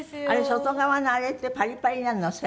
あれ外側のあれってパリパリなの？